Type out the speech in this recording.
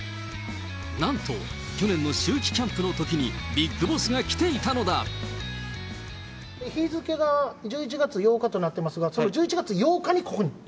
なんと、去年の秋季キャンプのときに、ビッグボスが来ていた日付が１１月８日となっていますが、１１月８日にここに？